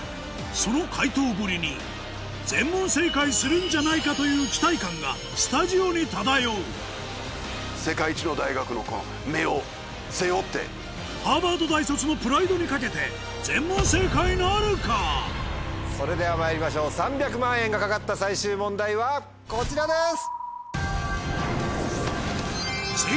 その解答ぶりに全問正解するんじゃないかという期待感がスタジオに漂うハーバード大卒のプライドに懸けてそれではまいりましょう３００万円が懸かった最終問題はこちらです！